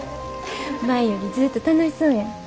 前よりずっと楽しそうやん。